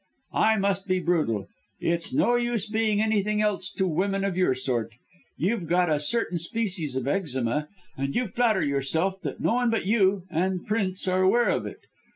I must be brutal it's no use being anything else to women of your sort. You've got a certain species of eczema, and you flatter yourself that no one but you and Prince are aware of it.